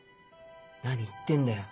何言ってんだよ